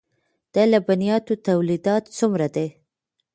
د لبنیاتو تولیدات څومره دي؟